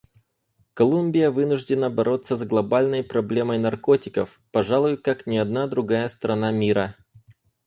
Колумбия вынуждена бороться с глобальной проблемой наркотиков, пожалуй, как ни одна другая страна мира.